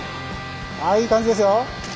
ああいい感じですよ。